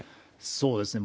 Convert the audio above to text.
そうですね。